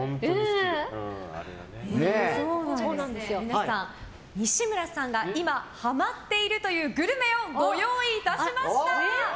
皆さん、西村さんが今ハマっているというグルメをご用意いたしました。